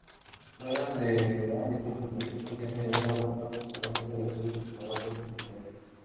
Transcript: Fuera del ámbito futbolístico, tiene una buena concurrencia de socios para otras actividades.